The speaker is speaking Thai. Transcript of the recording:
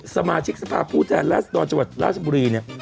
สมาชิกสภาพผู้ทางราชดรจบริเวณราชบุรีเนี่ย